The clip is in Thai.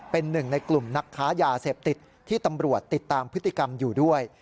เป็นหนึ่งในกลุ่มนักค้ายาเสพติดที่ตำรวจติดตามพฤติกรรมอยู่ด้วย